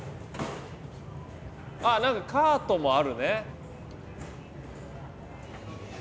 何かカートもあるね。